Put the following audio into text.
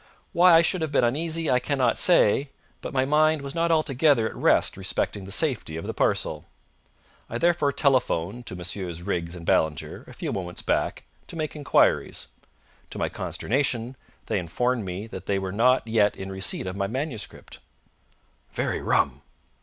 Why I should have been uneasy I cannot say, but my mind was not altogether at rest respecting the safety of the parcel. I therefore telephoned to Messrs. Riggs and Ballinger a few moments back to make enquiries. To my consternation they informed me that they were not yet in receipt of my manuscript." "Very rum!"